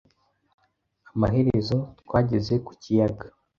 Amaherezo, twageze ku kiyaga